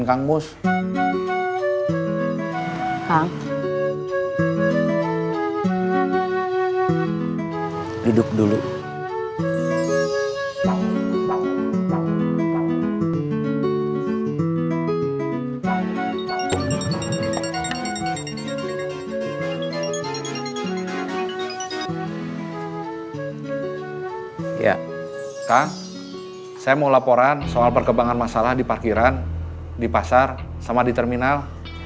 kang saya mau laporan soal perkembangan masalah di parkiran di pasar sama di terminal